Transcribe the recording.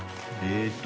えっ？